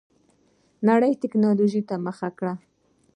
نړۍ ټيکنالوجۍ ته مخه کړه.